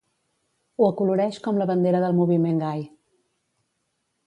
Ho acoloreix com la bandera del moviment gai.